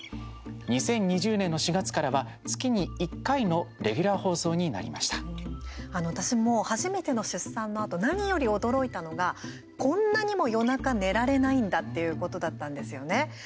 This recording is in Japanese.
２０２０年の４月からは月に１回のレギュラー放送に私も初めての出産のあと何より驚いたのがこんなにも夜中、寝られないんだっていうことだったんですよね。